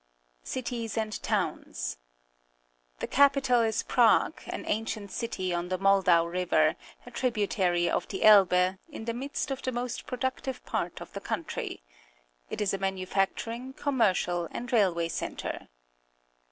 Cities and Towns. — The capital is Prague, an ancient city on the Moldau River, a tributary of the Elbe, in the midst of the most productive part of the country. It is a manufacturing, commercial, and railway centre.